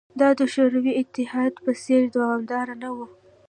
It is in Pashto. دا د شوروي اتحاد په څېر دوامداره نه وه